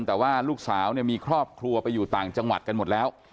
แต่ว่าลูกสาวเนี่ยมีครอบครัวไปอยู่ต่างจังหวัดกันหมดแล้ว